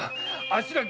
あっしら